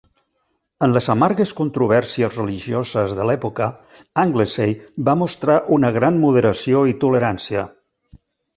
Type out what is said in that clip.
En les amargues controvèrsies religioses de l'època, Anglesey va mostrar una gran moderació i tolerància.